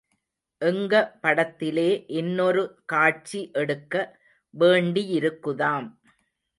எங்க படத்திலே இன்னொரு காட்சி எடுக்க வேண்டியிருக்குதாம்.